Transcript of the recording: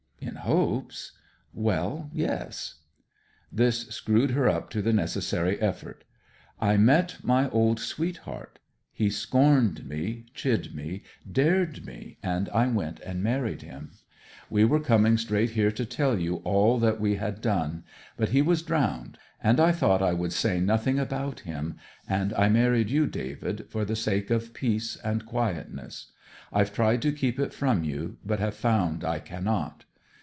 'In hopes!' 'Well, yes.' This screwed her up to the necessary effort. 'I met my old sweetheart. He scorned me, chid me, dared me, and I went and married him. We were coming straight here to tell you all what we had done; but he was drowned; and I thought I would say nothing about him: and I married you, David, for the sake of peace and quietness. I've tried to keep it from you, but have found I cannot.